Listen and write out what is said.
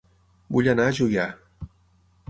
Vull anar a Juià